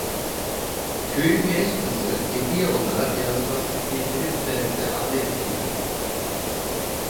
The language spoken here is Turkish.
Köyün genç kızı, hediye olarak yazmasını getirip verdi: - Ahmet, dedi.